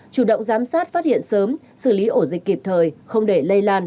chủ động giám sát phát hiện sớm xử lý ổ dịch kịp thời không để lây lan